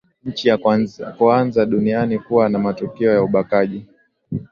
nchi ya kuanza duniani kuwa na matukio ya ubakaji